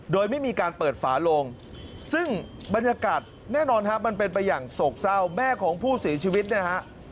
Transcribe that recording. โดยไม่มีการเปิดฝาโลงซึ่งบรรยากาศแน่นอนครับมันเป็นไปอย่างโศกเศร้าแม่ของผู้เสียชีวิตเนี่ยฮะ